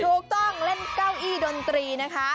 ถูกต้องเล่นเก้าอี้ดนตรีนะคะ